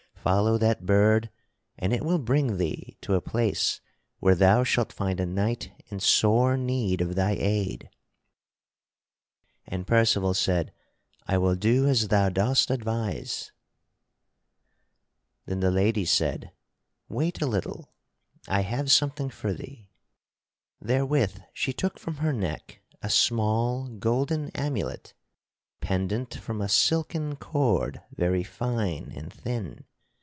Follow that bird and it will bring thee to a place where thou shalt find a knight in sore need of thy aid." And Percival said: "I will do as thou dost advise." [Sidenote: The Lady of the Lake giveth Sir Percival a charm] Then the lady said: "Wait a little, I have something for thee." Therewith she took from her neck a small golden amulet pendant from a silken cord very fine and thin.